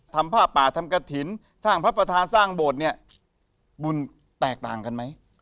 ผ้าป่าทำกระถิ่นสร้างพระประธานสร้างโบสถ์เนี่ยบุญแตกต่างกันไหม